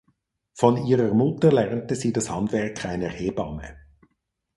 Von ihrer Mutter lernte sie das Handwerk einer Hebamme.